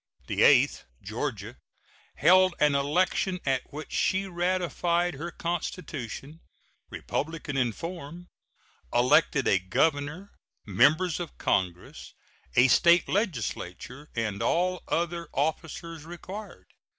The eighth (Georgia) held an election at which she ratified her constitution, republican in form, elected a governor, Members of Congress, a State legislature, and all other officers required.